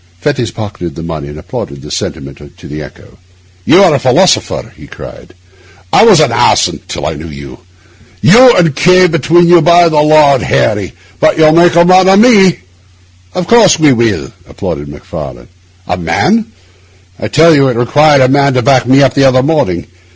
Fettes pocketed the money, and applauded the sentiment to the echo. 'You are a philosopher,' he cried. 'I was an ass till I knew you. You and K— between you, by the Lord Harry! but you'll make a man of me.' 'Of course we shall,' applauded Macfarlane. 'A man? I tell you, it required a man to back me up the other morning.